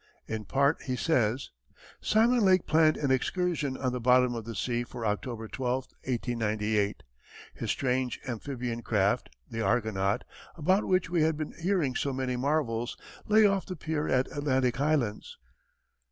In part he says: Simon Lake planned an excursion on the bottom of the sea for October 12, 1898. His strange amphibian craft, the Argonaut, about which we had been hearing so many marvels, lay off the pier at Atlantic Highlands.